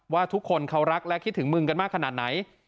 ว่าทุกคนเขารักและคิดถึงมึงกันมากขนาดไหน